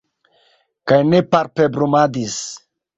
Kaj ne palpebrumadis.